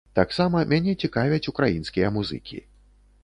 Таксама мяне цікавяць украінскія музыкі.